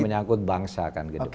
menyangkut bangsa akan ke depan